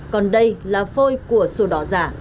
còn đây là phôi của sổ đỏ giả